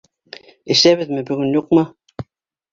Әсәбеҙме бөгөн, юҡмы?